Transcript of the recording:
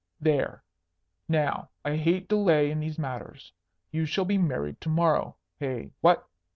There! Now, I hate delay in these matters. You shall be married to morrow. Hey? What?